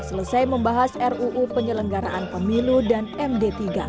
selesai membahas ruu penyelenggaraan pemilu dan md tiga